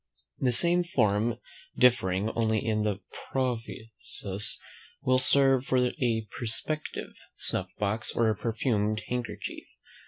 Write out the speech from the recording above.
The same form, differing only in the provisos, will serve for a perspective, snuff box, or perfumed handkerchief.